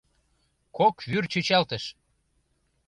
Кок вӱр чӱчалтыш.